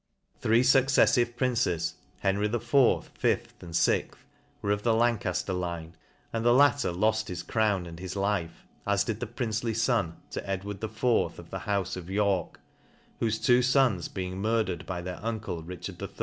Three fucceflive princes, Henry IV. V. and Vi. were of the Lancajler line; and the latter loft his crown and his life, as did his princely fon, to Ed ward IV. of the houfe of York, whofe two fons be ing murdered by their uncle Richard III.